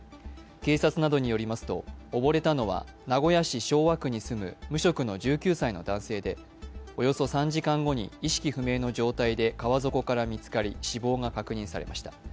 警察などによりますと、溺れたのは名古屋市昭和区に住む無職の１９歳の男性でおよそ３時間後に意識不明の状態で川底から見つかり、死亡が確認されました。